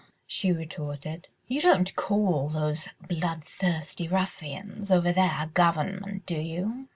she retorted, "you don't call those bloodthirsty ruffians over there a government, do you?"